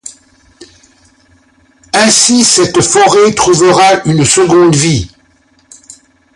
Ainsi cette forêt trouvera une seconde vie.